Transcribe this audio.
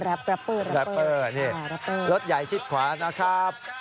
รัปเปอร์รัปเปอร์รัปเปอร์รถใหญ่ชิดขวานะครับ